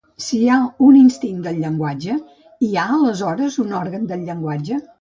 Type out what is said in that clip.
Si hi ha un instint del llenguatge, hi ha aleshores un òrgan del llenguatge?